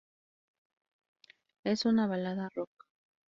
Es una balada rock.